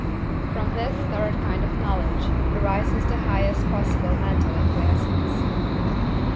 From this third kind of knowledge arises the highest possible mental acquiescence.